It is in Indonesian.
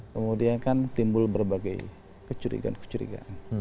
kemudian kan timbul berbagai kecurigaan kecurigaan